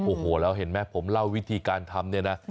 โอ้โหแล้วเห็นไหมผมเล่าวิธีการทำเนี่ยนะ